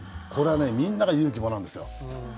これはみんなが勇気もらうんですよ。